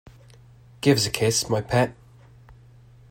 Give us a kiss, my pet.